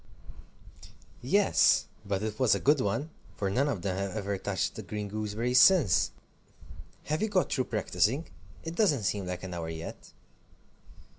"Yes, but it was a good one, for none of them have ever touched the green gooseberries since. Have you got through practising? It doesn't seem like an hour yet."